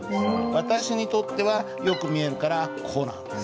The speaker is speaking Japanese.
私にとってはよく見えるから「こ」なんです。